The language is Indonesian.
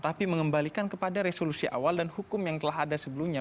tapi mengembalikan kepada resolusi awal dan hukum yang telah ada sebelumnya